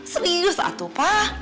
serius atuh pa